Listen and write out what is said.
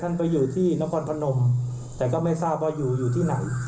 ไปอยู่ที่นครพนมแต่ก็ไม่ทราบว่าอยู่อยู่ที่ไหน